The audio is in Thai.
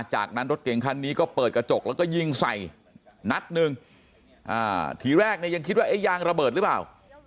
จากนั้นรถเก่งคันนี้ก็เปิดกระจกแล้วก็ยิงใส่นัดหนึ่งทีแรกเนี่ยยังคิดว่ายางระเบิดหรือเปล่า